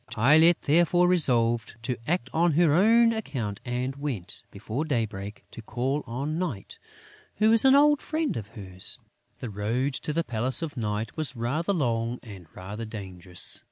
Tylette, therefore, resolved to act on her own account and went, before daybreak, to call on Night, who was an old friend of hers. The road to the Palace of Night was rather long and rather dangerous.